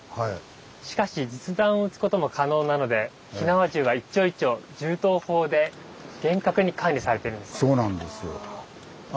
しかし実弾を撃つことも可能なので火縄銃は一丁一丁銃刀法で厳格に管理されているんです。